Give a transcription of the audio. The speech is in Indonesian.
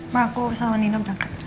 mama aku urus sama nino berangkat